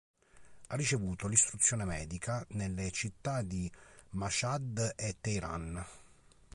Ha ricevuto l’istruzione medica nelle città di Mashhad e Teheran.